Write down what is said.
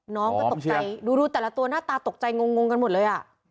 น้องก็ตกใจดูแต่ละตัวหน้าตาตกใจงงกันหมดเลยอ่ะ